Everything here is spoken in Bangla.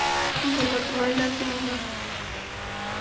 খুব ভয় লাগে আমার।